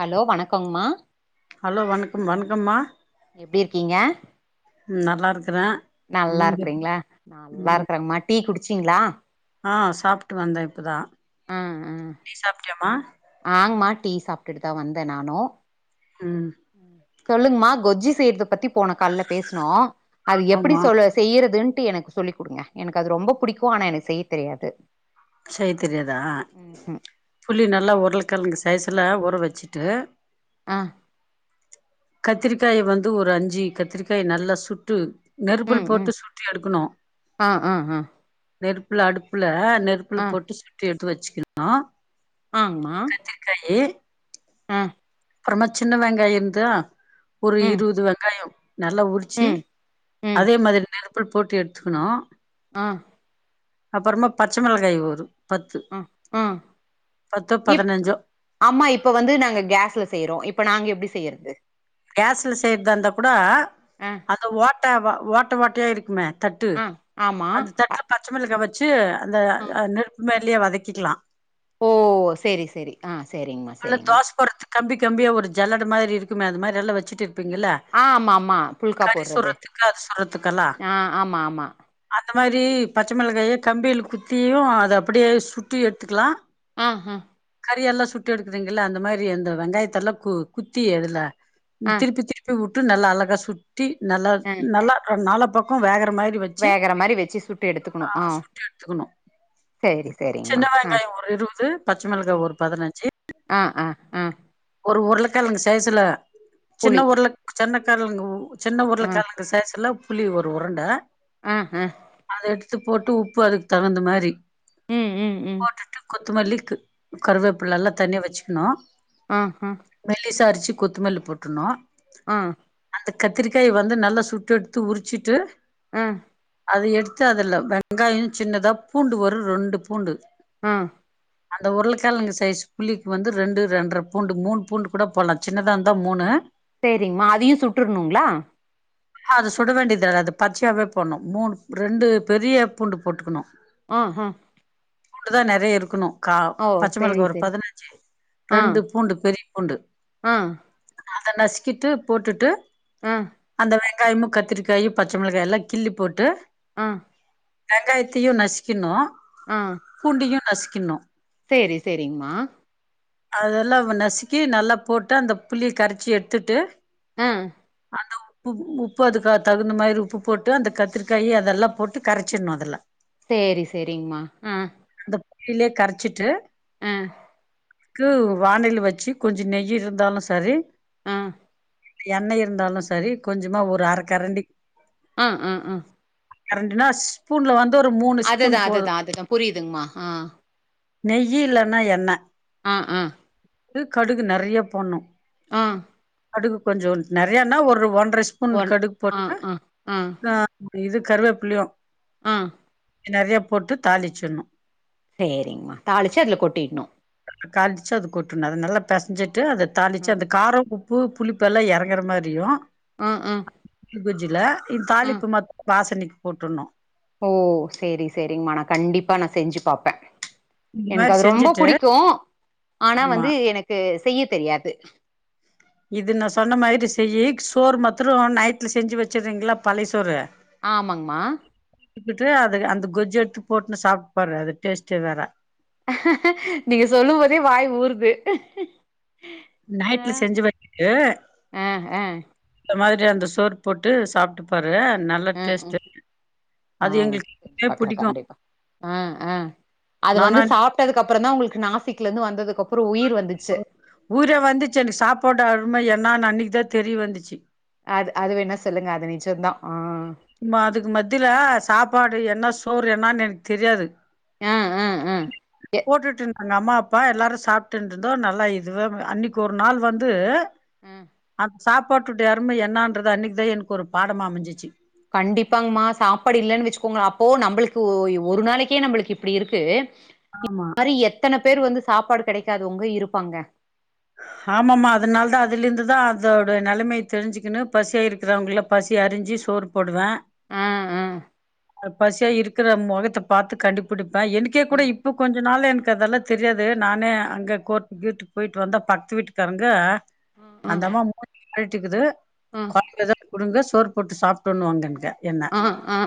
Hello வணக்கங்மா hello வணக்கம் வணக்கம்மா எப்டி இருக்கீங்க நல்லா இருக் நல்லா இருக்கறீங்ளா நல்லா இருக்கறங்மா டீ குடுச் சீங்ளா ஆ சாப்ட்டு வந்தே இப்பதா ஆ ஆ நீ சாப்ட்டியாமா ஆங்மா டீ சாப்ட்டுட்டுதா வந்தே நானு ம் சொல்லுங்மா கொஜ்ஜு செய்யறத பத்தி போன கால்ல பேசுனோ அது எப்படி ஆமா சொல்ல செய்யறதுன் ட்டு எனக்கு சொல்லிக் குடுங்க எனக்கு அது ரொம்ப புடிக்கு ஆனா எனக்கு செய்யத் தெரியாது செய்ய தெரியாதா ம் ம் புளி நல்லா உ ருளக்கெழங்கு சைஸ்ல ஊற வச்சிட்டு ஆ கத்திரிக்காய வந்து ஒரு அஞ்சு கத்திரிக்காய் நல்லா சுட்டு நெருப்புல் ம் ம் போட்டு சுட்டு எடுக்கணு ஆ ஆ ஆ நெருப்புல அடுப்புல அடுப்புல ஆ போட்டு சுட்டு எடு த்து வச்சுக்கனு ஆங்மா ஆ அப்றமா சின்ன வெங்காயோ இருந்தா ஒரு ம் இருபது வெங்காயோ நல்லா உரிச்சு ம் ம் அதே மாரி நெரு புல் போட்டு எடுத்துக்கணு ஆ அப்பறமா பச்ச மொளகாயி ஒரு பத்து ம் ம் பத்தோ இப் பதினஞ்சோ அம்மா இப்ப வந்து நாங்க கேஸ்ல செய்றோ இப் ப நாங்க எப்டி செய்யறது கேஸ்ல செய்றதா இருந்தா கூட ஆ அந்த ஓட்ட ஓட் ட்ட ஓட்டயா இருக்குமே தட்டுல் ஆ ஆமா அந்த தட்ல பச்ச மெளகா வ ச்சு அந்த ஆ அ நெருப்பு மாரி அதுலயே வதக்கிக்கலா ஓ செரி செரி ஆ சேரிங்மா இல்ல சேரிங்மா தோசை போடுறதுக்கு கம்பி கம்பியா ஒரு ஜல்லட மாரி இருக்குமே அது மாரி இதல்லா வச்சுட்டுரு ஆ ஆமா ஆமா புல்கா போடுறது சுடுறதுக்கு அது ஆ ஆமா ஆமா இந்த மாரி பச்ச மெளகாய கம்பியில் குத்தியு அது அப்டியே சுட்டு எட்த்துக்கலா ஆ ஆ கறியெல்லா சுட்டு எடுக்குறீங்கல்ல அந்த மாரி அந்த வெங்காயத்தல்லா கு குத்தி அதுல ம் ஆ திருப்பி திருப்பி உ ட்டு நல்லா அழகா சு ட்டி நல்ல ஆ நல்லா ஆ நாலா பக்கமு வேக வேகற மாரி வச்சு சுட்டு எடுத்துக்கணு ஆ சுட்டு எடுத்துக்கணு சேரி சேரிங்மா சின்ன ஆ வெங்காயோ ஒரு இருவது பச்ச மெளகா ம் ஒரு பதனஞ்சு ஆ ஆ ஆ ஒரு ஒரு உருளக் கெழங்கு சைஸ்ல சின்ன புளி உருள சின்னக்கெழங்கு சின்ன ஆ உருளக்கெழங்கு சைஸ்ல புளி ஒரு உருண்ட ஆ ஹா எத்து போட்டு உப்பு அதுக்கு தகுந்த மாரி ம் ம் ம் த்து மல்லிக்கு ம் கருவேப்பில எல்லா தனியா வச்சு க்னு ஆ ஹா ஞ்சு கொத்துமல்லி போட்ரணு ஆ அ கத்திரிக்காய வந்து நல்லா சுட்டு எடுத்து உரிச்சிட்டு ஆ அத எடுத்து அதுல வெங்காயம் சின்னதா பூண்டு வரு ரெண்டு பூண்டு ம் அந்த உருளைக்கெழங்கு சைஸ் புளிக்கு வந்து ரெண்டு ரெண்டற பூண்டு மூணு பூண்டு கூட போடலாம் சின்னதா இருந்தா மூணு செரிங்கமா அதையும் சுட்டுரணுங்களா அது சுட வேண்டியது அது பச்சையாவே போடணும் மூணு ரெண்டு பெரிய பூண்டு போட்டுக்கணும் அஹா அப்டி தா நெறைய இருக்கணும் கா பச்சை மிளகு சேரி ஒரு சேரி பதினஞ்சு ஆ ரெண்டு பூண்டு பெரிய பூண்டு ஆ அத நசிக்கிட்டு போட்டுட்டு ஆ அந்த வெங் வெங்காயமும் கத்திரிக்காயும் பச்சை மிளாகா எல்லா கிள்ளி போட்டு ம் வெங்காயத்தயும் நச் கின்னோ ஆ பூண்டையும் நசிக் கின்னோ சேரி சேரிங்கமா அதெல்லா நசுக்கி நல்லா போட்டு அந்த புளிய கரைச்சி எடுத்துட்டு அ அந்த உப்பு உப்பு அதுக்கு தகுந்த மாரி உப்பு போட்டு அந்த கத்திரிக்காய் அதெல்லா போட்டு கரச்சிடனும் அதுல சேரி சேரிங்கமா அ இதுலே கரச்சிட்டு ம் க்கு வணால் வச்சு கொஞ்ச நெய் இருந்தாலும் செரி ம் எண்ணெய் இருந்தாலும் சரி கொஞ்சமா ஒரு அரக்கரண்டி ம் ம் ம் கரண்டு நா ஸ்பூன்ல வந் ஒரு மூணு ஸ் அதுதா அதுதா அதுதா புரிதுங்மா அ நெய்யி இல்லன்னா எண்ண ம் ம் அது கடுகு நிறைய போடணு அ கடுகு கொஞ்சோ நெறையன்னா ஒரு ஒன் அர ஸ்பூன் ஒன் கடுகு ஆ போட்ட ஆ இது கருவேப்பிளயும் அ நிறைய போட்டு தாளிச்சிடணு சேரிங்கமா தாளிச்சு அதுல கொட்டிடணும் காலிச்சு அது கொட்டுனது நல்ல பெசஞ்சி ட்டு அத தாளிச்சு அந்த காரம் உப் பூ புளிப்பெல்லா இறங்கிற மாரியும் அ அ வெஜ்ஜில இ தாலிப்பு மட் வாசனைக்கு போட்டுணும் ஓ சேரி சேரிங்கம்மா நான் கண்டிப்பா நான் செஞ்சு பாப்பன் இந்த எனக்கு மாரி அது ரொம்ப செஞ்சுட்டு புடிக்கும் ஆனா ஆமா வந்து எனக்கு செய்ய தெரியாது இது நா சொன்ன மாரி செய்யி சோறு மத்திரோம் நைட்ல செஞ்சு வச்சிறிங்களா பழய சோறு ஆமாங்மா த்துக்கிட்டு அது அந்த கொஜ் எடுத்து போட்டுன்னு சாப்பிட்டுப்பாரு அது டேஸ்ட்டே வேற நீங்க சொல்லும் போதே வாய் ஊருது நைட்ல செஞ்சு வச்சிட்டு ஆ ஆ இந்த மாரி அந்த சோர் போட்டு சாப்பிட்டு பாரு லா நல்ல ஆ டேஸ்ட்டு ஆ அது செஞ்சு எங்களுக்குமே பாக்குறேன் புடிக்கு கண்டிப்பா அ அ அது வந்து நானா சாப்பிட்டதுக்கு அப்பறோ தா உங்களுக்கு நாசிக்ல இருந்து வந்ததுக்கு அப்றோ உயிர் வந்துச்சு என்னா அன்னைக்கு தா தெரிய வந்துச்சு அது அது வேணா சொல்லுங்க அது நிஜம்தான் ஆ மா அதுக்கு மத்தில சாப்பாடு என்ன சோறு என்னனு எனக்கு தெரியாது ஆ ஆ ஆ எ அங்க அம்மா அப்பா எல்லாரும் சாப்பிட்டுட்டுந்தோ நல்லா இதுவே அன்னைக்கு ஒரு நாள் வந்து ம் சாப்பாட்டோட அரும என்னாங்கிரத அன்னைக்கு தா எனக்கு ஒரு பாடமா அமஞ்சிருச்சு கண்டிப்பாங்கமா சாப்பாடு இல்லன்னு வச்சுக்கோங்கள அப்போ நம்மளுக்கு ஒ ஒரு நாளைக்கே நம்மளுக்கு இப்டி இருக்கு இப் ஆமா மாரி எத்தன பேர் வந்து சாப்பாடு கிடைக்காதவங்க இருப்பாங்க ஆமாமா அதனால தா அதுல இருந்து தான் அதோட நிலைமைய தெரிஞ்சுக்கினு பசியா இருக்கிறவங்கல பசி அறிஞ்சு சோறு போடுவேன் ம் ம் பசியா இருக்கிற முகத்த பாத்து கண்டுப்பிடி எனக்கே கூட ம் இப்போ கொஞ்ச நாள் எனக் அதெல்லா தெரியாது நானே அங்க கோர் வீட் போயிட்டு வந்த பத்து வீட்டுக்காரங்க ஆ அந்தம்மா மூன்ஜி அழுட்டுக்குது ஆ [unintelligible] குடுங்க சோறு போட்டு சாப்டனு [unintelligible] அ அ அ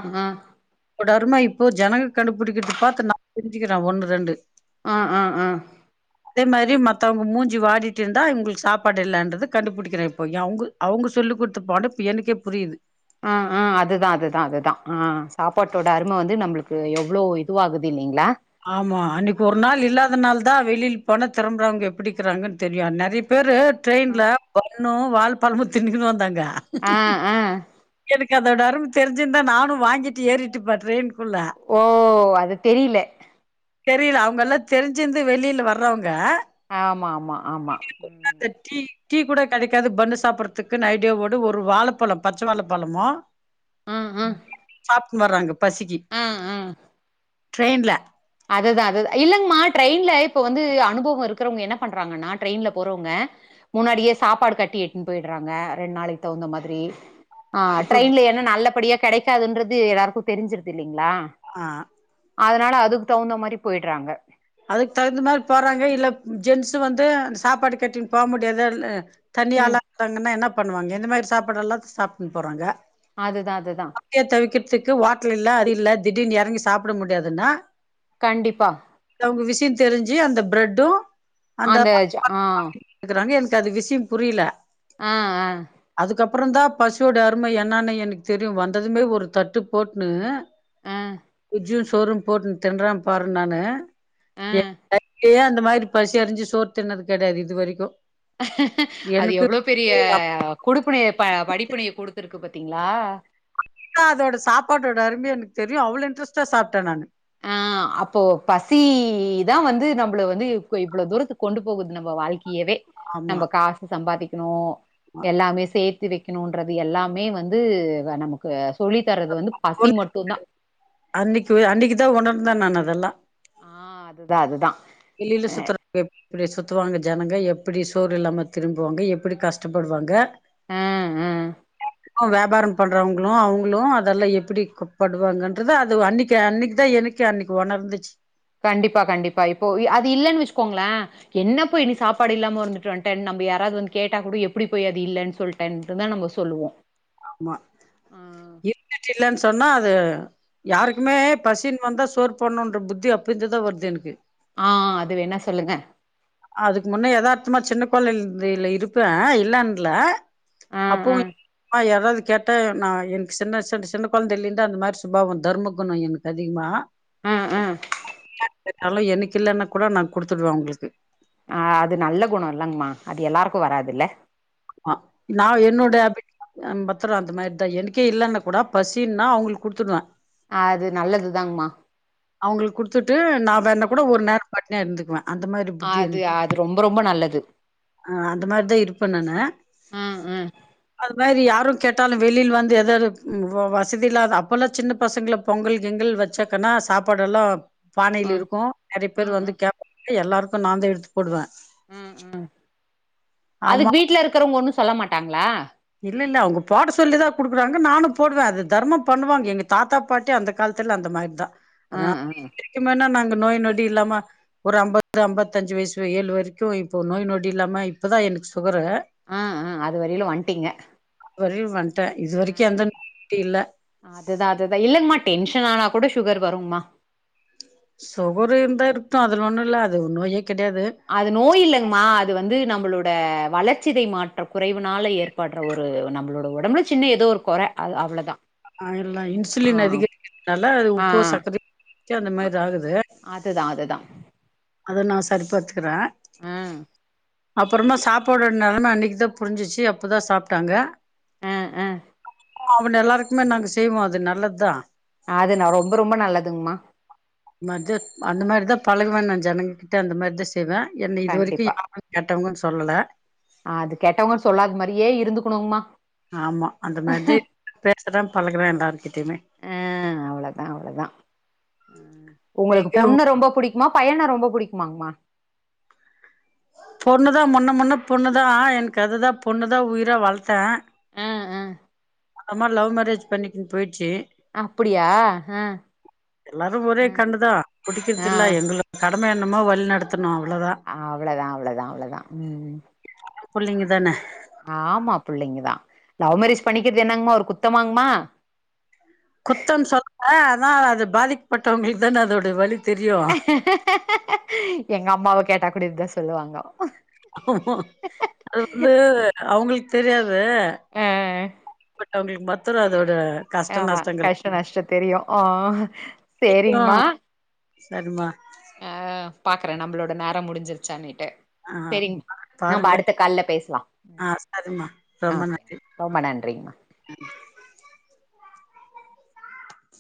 ஒட அருமை இப்போ ஜனங்க கண்டுபுடிக்கிற்து பாத்து நா தெரிஞ்சுக்கிறே ஒன்னு ரெண்டு ஆ ஆ ஆ அதே மாரி மத்தவ்ங்க மூஞ் சி வாடிட்டிருந்தா இவுங்ளுக்கு சாப்பாடு இல்லன்றது கண்டுபுடிக்கனு இப்பொ எ அவுங்க அவுங்க சொல்லிக் குட்த்த பாடொ இப்ப எனக்கே புரியிது ஆ ஆ அதுதா அதுதா அதுதா ஆ சாப்பாட்டோட அரும வந்து நம்பளுக்கு எவ்ளோ இதுவாகுது இல்லிங்ளா ஆமா அன்னைக்கு ஒரு நாள் இல்லாத நாள் தா வெளில் போன திரம்றவ்ங்க எப்பிடிக்கிறாங்கன் தெரியு நெறைய பேரு ட்ரெயின்ல பன்னு பால் பழமும்தின்க்கனு வந்தாங்க ஆ ஆ எனக்கு அதோட தெரி்சிருந்தா நானும் வாங்கிட்டு ஏறிட்டு படுறேன் டிரெய்ன் ஓ அது தெரியல தெரியல அவங்க எல்லாம் தெரிஞ்சிருந்து வெளியில வரறவங்க ஆமா ஆமா ஆமா உம் அந்த டீ டீ கூட கிடைக்காது பண்ணு சாப்பிடடுறதுக்கு ந ஐடியாவடு ஒரு வாழைப்பழம் பச்சை வாழைப்பழமும் ஆ ஆ அ வராங்க பசிக்கி ஆ ஆ ட்ரெயின்ல அதுதான் அது இல்லங்கம்மா ட்ரெயின்ல இப்ப வந்து அனுபவம் இருக்கறவங்க என்ன பண்றாங்கன்னா டிரரெயின்ல போறவங்க முன்னாடியே சாப்பாடு கட்டி எடுத்து போயிடுறாங்க ரெண்டு நாளைக்கு தகுந்த மாதிரி ஆஹ் இப்ப ட்ரெயின்ல என்ன நல்லபடியா கிடைக்காதுன்றது எல்லாருக்கும் தெரி்சிருதுல்ல ங்களா ஆ அதனால அதுக்கு தகுந்த மாதிரி போயடுறாங்க அதுக்கு தகுந்த மாதிரி போறாங்க இல்ல ஜென்ஸு வந்து சாப்பாடு கட்டிங்குனு போக முடியது தண்ணி ம். ஆளா இருறாங்கன்னா என்ன பண்ணுவாங்க இந்த மாதிரி சாப்பா எல்லாம் சாப்பின்னு போகிறாங்க அதுதான் அதுதான் க்கு வாட்டல் இல்லாம் அது இல் திடீனு இறங்கி சாப்பிட முடியாதுன்னா கண்டிப்பா அவங்க விசய தெரிஞ்சு அந்த பிரெட்டும் அந்தஜ ஆ எனக்கு அது விஷயம் புரியல ஆ ஆ அப்புறம்ந்தான் பசுவோட அருமை என்னன்னு எனக்கு தெரியும் வந்ததுமே ஒரு தட்டு போட்டுன்னனு ஆ, உஜ சோரூம் போட்டு தின்றறான் பாருன் நான் ஆ. அந்த மாதிரி பசி அறிஞ்சு சோர் தனது கிடையாது இது வரைக்கும் அது எவ்வளவு பெரிய கொடுப்பினைய வடிப்பனையை கொடுடுத்திருக்கு ப பாத்தீங்களா? அதோட சாப்பாட்டோட அருமய எனக்கு தெரிய அவ்வள இன்டரஸ்டாசாப்பிட்டன் நான் ஆஹ் அப்போ பசிதான் வந்து நம்மளை வந்து இவ்வளவு தூரத்துக்கு கொண்டு போகுது நம்ம வாழ்க்கை வே ஆமா நம்ம காசு சம்பாதிக்க இனோ ஆமா எல்லாமே சேர்த்து வைக்கணும்ன்றது எல்லாமே வந்து நமக்கு சொல்லி தரது அது வந்து பசி ஒன் மட்டும்்தான் அன்னைக்கு அன்னைக்கு தான் உணர்ந்தான் நான் அதெல்லாம் ஆ அதுதான் அதுதான் வெளியில சத்த ஜனங்கள் எப்படி சோறு இலாம திருபுவாங்க எப்படி கஷ்டபடுவாங்க ஆ ஆ வியாபாரம் பண்றவங்களும் அவங்களும் அதெல்லாம் எப்படிப்படுவாங்கன்றத அது அன்னைக்கு அன்னைக்கு தான் எனக்கு அன்னைக்கு உணர்ந்துச்சு கண்டிபா கண்டிபா இப்போ அதி அது இல்யின்னு வச்சுகோங்களே என்ன போயினி சாபாடுயில்லாம வந்துடேடு வடநம்ம யாராவது வந்து கேட்டா கூட எப்படி போய் அது இல்லன்னு சொல்லிட்டே சொல்லுவோ ஆம்மா ஆ யிருந்துட்டு இலனு சொன்னா ஹ அ யாருக்குமே பசின் வந்தா சோர் பண்ணன்ற புத்தி அப்படிந்துதான் வருது எனக்கு ஆஹ் அது வேணா சொல்லுங்க அதுக்கு முன்னே யதார்த்தமா சின்ன கோள்ளைல இருப்பேன் இல்லான்ல ஆ ஆ அப்பவும்மா யாராவது கேட்ட க நான் எனக்கு சின்ன சின்ன சின்ன குழந்தையில இருந்து அந்த மாதிரி சுபாவம் தர்ம குணம் எனக்கு அதிகமா ம் ம் எனகு யிலனா கூட நா குடுத்துடுவே உங்களுகு அஹ் அது நல்ல குணம் இல்லங்கமா அது எல்லாருக்கும் வராதுல்ல ஆ நாவ என்னோட அப பத்தரும் அந்த மாதிரிதான் எனக்கே இல்லைன்ன கூட பசின்னா அவங்களுக்கு குடுத்துடுவேன் ஹ அத்து நல்லதுதாங்மா அவகளுக்கு குடுத்ட்டு நா வேறன கூட ஒரு நேர பா த இருந்துககுவேன் அந்த மாரி புத்தி அது என்க் அது ரொம்ப ரொம்ப நல்லது ஆ அந்த மாரிதா இருப்பே நானு ம் ம் அது மாரி யாரு கேட்டாலு வெளில் வந்து எதோ இது ம் வ வசதி இல்லாத அப்பல்லா சின்ன பசங்கள பொங்கல் கிங்கள் வச்சாங்கனா சாப் படலா பானையில ம் இருக்கு நெறைய பேர் ம் வந்து ம் கேப் எ எல்லாருக் நாந்தா எடுத்து போடுவே ம் ம் ஆமா அதுக்கு வீட்ல இருக்கறவங்க ஒண்ணு சொல்ல மாட்டாங்களா இல்ல இல்ல அவங்க போட சொல்லிதா குடுக்குறாங்க நானு போடுவே அது தர்மோ பண்ணுவாங்க எங்க தாத்தா பாட்டி அந்த காலத்துல அந்த மாரிதா அத நா ம் ம் [unintelligible] நாங்க நோய் நொடி இல்லாம ஒரு அம்பது அம்பத்தஞ்சு வயசு ஏழு வரைக்கு இப்ப நோய் நொடி இல்லாம இப்பதா எனக்கு சுகரு ஆ ஆ அது வரையுலு வன்ட்டீங்க வரையலு வன் ஆ அதுதா அதுதா இல்லங்மா டென்ஷன் ஆனா கூட சுகர் வரும்மா சுகரு இருந்தா இரு க்ட்டு அதுல ஒன்னு இல்ல அது ஒரு நோயே கெடையாது அது நோய் இல்லங்மா அது வந்து நம்பளோட வளர்சிதை மாற்ற குறைவுனால ஏற்பட்ற ஒரு நம்பளோட ஒடம்புல சின்ன ஏதோ ஒரு கொற அத் அவ்ளவுதா ஆ எல்லா இன்சுலின் அதிகரிக்கிறதுனால அது ஆ உப்பு சக்கரைக்கி அந்த மாரி ஆகுது அதுதா அதுதா அது நா சரி பாத்து ருக்கறே ம் அப்புறமா சாப்பாடோட நெலம அன்னக்கிதா புரிஞ்சிச்சு அப்பதா சாப்ட்டாங்க ஆ ஆ அவுங்க எல்லாருக்குமே நாங்க செய்வோ அது நல்லதுதா அதுனா ரொம்ப ரொம்ப நல்லதுங்மா மாரிதா அந்த மாரிதா பழகுவ நா ஜனங்க கிட்ட அந்த மாரிதா செய்வே என்ன இது வரைக்கு கண்டிப்பா யாரு கெட்டவங்கனு சொல்லல அது கெட்டவங்கன்னு சொல்லாத மாரியே இருந்துக்கணுங்மா ஆமா அந்த மாரிதே பேசுறே பழகுறே எல்லாருகிட்டையுமே ஆ அவ்ளோதா அவ்ளோதா குமா பையன ரொம்ப புடிக்குமாங்மா பொண்ணுதா முன்ன முன்ன பொண்ணுதா எனக்கு அதுதா பொண்ணுதா உயிரா வளத்தே ஆ ஆ அம்மா லவ் மேரேஜ் பண்ணிக்கினு போயிட்ச்சி அப்டியா ஆ எல்லாரு ஒரே ஆ கண்டுதா புடிக்கிறதுல்ல என்துல [inaudible] நம்ம என்னமோ வழி நடத்த அவ்ளதா அவ்ளதா அவ்ளதா ம் புள்ளைங்க தான ஆமா புள்ளைங்க தா லவ் மேரேஜ் பண்ணிக்கிறது என்னங்மா ஒ குத்த மாங்குமா குத்த சொல்ல ஆனா அது பாதிக்கப்பட்டவங்களுக்கு தானே அதோட வலி தெரியு எங்க அம்மாவ கேட்டாங்க அப்டிதான் சொல்லுவாங்க ஆமா ஆமா அது வந்து அவுங்களுக் தெரியாது ஆ [unintelligible] ப்ட் அவுங்களுக்கு ப [unintelligible] ஆ கஷ்ட நஷ்டம் தெரியும் ஆ செரிங்மா செரிமா பாக்குறன் நமளோட நேர முடிச்சிருச்சனு ஆ சேரி நாம பாருங்க அடுத்த கால்ல பேசலாம் ஆ சரிம்மா அ ரொம்ப ஒகே நன்றி ரொம்ப நன்றிங்மா